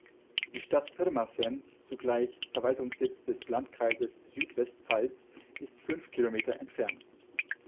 Die Stadt Pirmasens, zugleich Verwaltungssitz des Landkreises Südwestpfalz, ist fünf Kilometer entfernt.